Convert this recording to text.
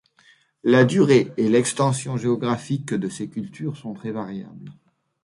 La durée et l'extension géographique de ces cultures sont très variables.